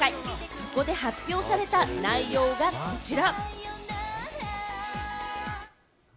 そこで発表された内容がこちら。